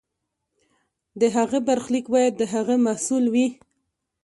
د هغه برخلیک باید د هغه محصول وي.